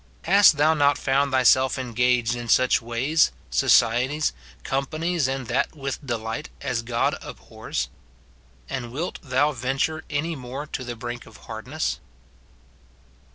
Hast thou not found thyself engaged in such ways, societies, compa nies, and that with delight, as God abhors ? And wilt thou venture any more to the brink of hardness